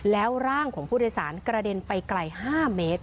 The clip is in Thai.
แล้วร่างของผู้โดยสารกระเด็นไปไกล๕เมตร